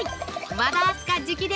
和田明日香直伝！